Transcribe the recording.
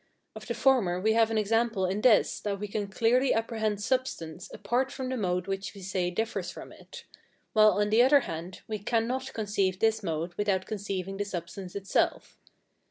Of the former we have an example in this, that we can clearly apprehend substance apart from the mode which we say differs from it; while, on the other hand, we cannot conceive this mode without conceiving the substance itself.